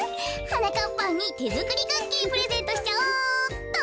はなかっぱんにてづくりクッキープレゼントしちゃおうっと。